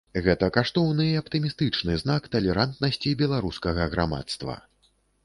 Гэта каштоўны і аптымістычны знак талерантнасці беларускага грамадства.